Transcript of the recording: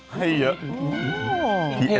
ค่าวใส่ไทยสด